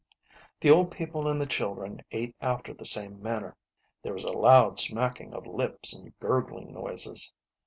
The old people and the children ate after the same man ner. There was a loud smacking of lips and gurgling noises.